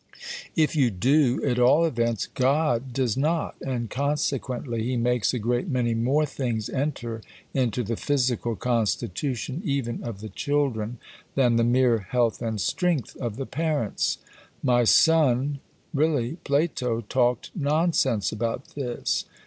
If you do, at all events God does not. And consequently He makes a great many more things enter into the "physical" constitution even of the children than the mere "health and strength" of the parents. (My son, really Plato talked nonsense about this.)